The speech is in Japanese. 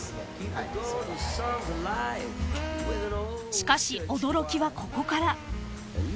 ［しかし驚きはここから］